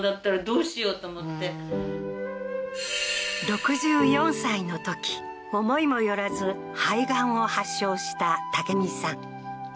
今から６４歳の時思いもよらず肺がんを発症した武美さん